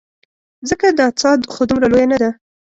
ځکه دا څاه خو دومره لویه نه ده.